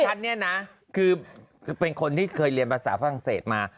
ฉันนี่นะคือเป็นคนที่เคยเรียนภาษาภาษาศาสตร์มา